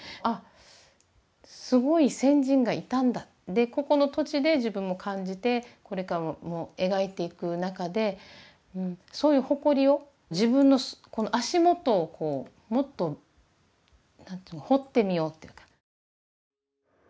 でここの土地で自分も感じてこれからも描いていく中でそういう誇りを自分のこの足元をこうもっと何て言うの掘ってみようっていうか。